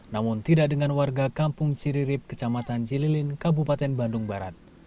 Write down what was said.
namun tidak dengan warga kampung ciririp kecamatan cililin kabupaten bandung barat